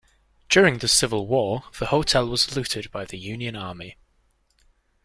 During the Civil War, the hotel was looted by the Union Army.